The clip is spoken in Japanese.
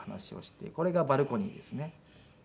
これがバルコニーですね。